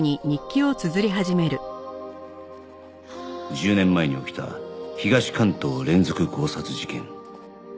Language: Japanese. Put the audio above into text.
１０年前に起きた東関東連続強殺事件